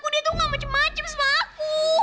dia tuh gak macem macem sama aku